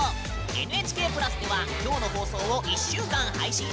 ＮＨＫプラスでは今日の放送を１週間配信しているよ。